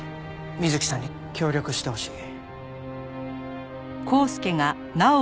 水木さんに協力してほしい。